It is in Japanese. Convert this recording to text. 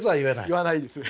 言わないです。